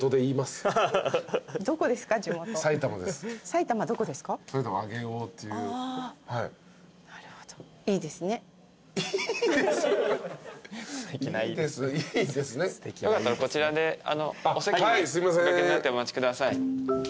よかったらこちらでお席にお掛けになってお待ちください。